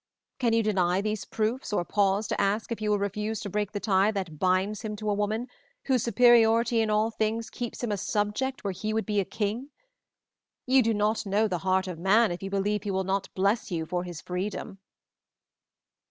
Can you deny these proofs, or pause to ask if he will refuse to break the tie that binds him to a woman, whose superiority in all things keeps him a subject where he would be a king? You do not know the heart of man if you believe he will not bless you for his freedom."